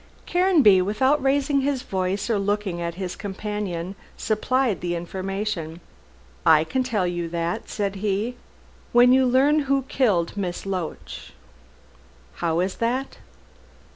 Caranby, without raising his voice or looking at his companion, supplied the information. "I can tell you that," said he, "when you learn who killed Miss Loach." "How is that?"